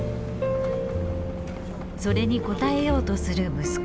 それに応えようとする息子。